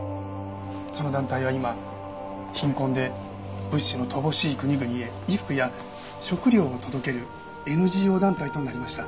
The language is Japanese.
その団体は今貧困で物資の乏しい国々へ衣服や食料を届けるＮＧＯ団体となりました。